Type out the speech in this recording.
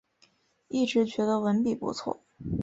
一直觉得文笔不错